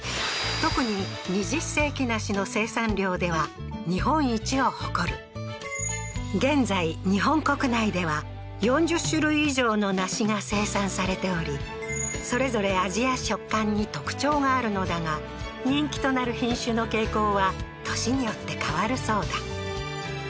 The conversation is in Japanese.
特に二十世紀梨の生産量では日本一を誇る現在日本国内では４０種類以上の梨が生産されておりそれぞれ味や食感に特徴があるのだが人気となる品種の傾向は年によって変わるそうだ